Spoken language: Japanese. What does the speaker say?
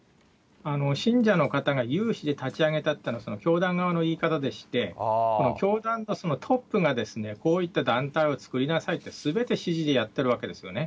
信者の方が有志で立ち上げたというのは教団側の言い方でして、この教団とそのトップが、こういった団体を作りなさいって、すべて指示でやってるわけですよね。